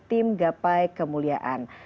tim gapai kemuliaan